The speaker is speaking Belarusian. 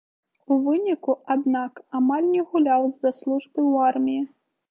У выніку, аднак, амаль не гуляў з-за службы ў арміі.